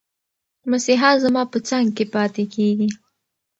مسیحا زما په څنګ کې پاتې کېږي.